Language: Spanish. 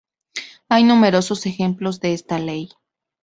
Hay numerosos ejemplos de esta ley.